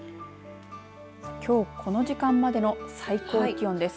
きょうこの時間までの最高気温です。